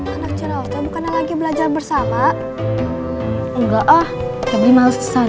anak cerah kamu karena lagi belajar bersama